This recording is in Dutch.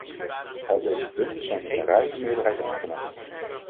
Al deze punten zijn met een ruime meerderheid aangenomen.